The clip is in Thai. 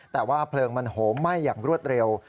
แต่ว่าเพลิงมันโหมไหม้อย่างรวดเร็ว